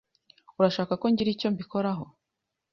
Urashaka ko ngira icyo mbikoraho?